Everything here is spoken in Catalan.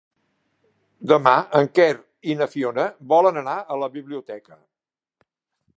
Demà en Quer i na Fiona volen anar a la biblioteca.